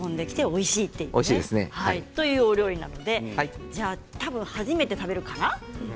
という、お料理なので多分、初めて食べるのかな。